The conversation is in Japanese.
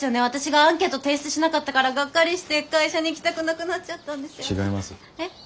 私がアンケートを提出しなかったからガッカリして会社に行きたくなくなっちゃったんですよね。